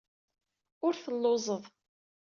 Ur telluẓeḍ.